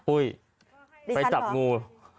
อุ้ยไปจับงู